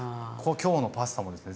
今日のパスタもですね